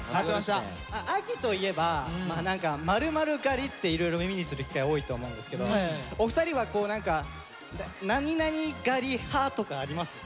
「秋」といえば○○狩りっていろいろ耳にする機会多いと思うんですけどお二人は何か何々狩り派とかあります？